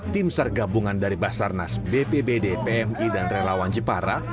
tim sergabungan dari basarnas bpbd pmi dan relawan jepara